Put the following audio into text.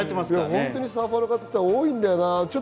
サーファーの方って多いんだよな。